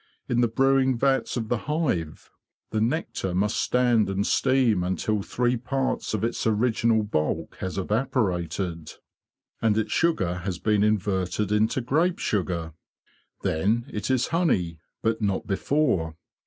In the brewing vats of the hive the nectar must stand and steam until three parts of its original 166 THE BEE MASTER OF WARRILOW bulk has evaporated, and its sugar has been inverted into grape sugar. Then it is honey, but not before.